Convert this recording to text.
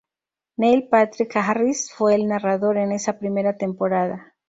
Neil Patrick Harris fue el narrador en esa primera temporada.